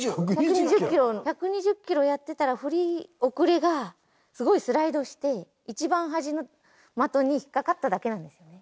１２０キロやってたら振り遅れがすごいスライドして一番端の的に引っ掛かっただけなんですよね。